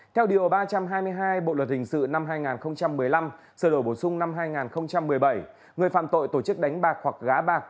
theo điều ba trăm hai mươi hai bộ luật hình sự năm hai nghìn một mươi năm sở đổi bổ sung năm hai nghìn một mươi bảy người phạm tội tổ chức đánh bạc hoặc gá bạc